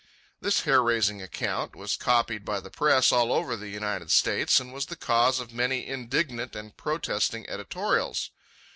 This hair raising account was copied by the press all over the United States and was the cause of many indignant and protesting editorials.